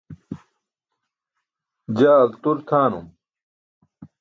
Jaa altur tʰaanum.